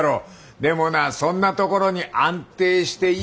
でもなそんなところに安定していいのか？